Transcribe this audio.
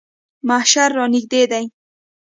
محشر رانږدې دی.